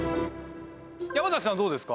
山崎さんはどうですか？